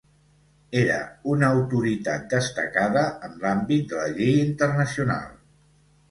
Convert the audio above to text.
Era una autoritat destacada en l'àmbit de la llei internacional.